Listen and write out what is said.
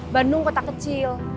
bandung kota kecil